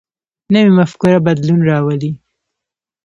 نوی مفکوره بدلون راولي